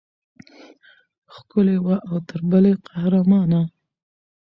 ښکلې وه او تر بلې قهرمانه.